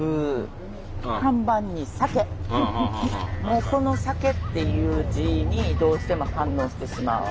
もうこの酒っていう字にどうしても反応してしまう。